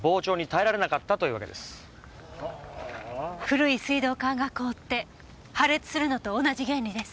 古い水道管が凍って破裂するのと同じ原理です。